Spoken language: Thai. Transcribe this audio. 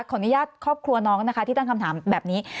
ขออนุญาตครอบครัวน้องนะคะที่ตั้งคำถามแบบนี้